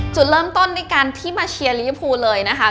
จุดเริ่มต้นในการที่มาเชียร์ลิภูเลยนะคะ